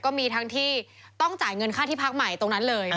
ก็มีทั้งที่ต้องจ่ายเงินค่าที่พักใหม่ตรงนั้นเลย